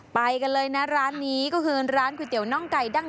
ไปกันเลยนะร้านนี้ก็คือร้านก๋วยเตี๋ยน่องไก่ดั้ง